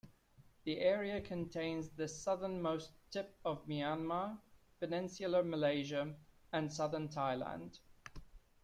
The area contains the southernmost tip of Myanmar, Peninsular Malaysia, and Southern Thailand.